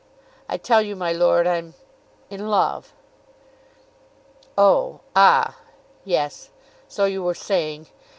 "I tell you, my lord, I'm in love." "Oh, ah; yes. So you were saying.